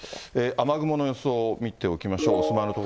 雨雲の予想を見ておきましょう。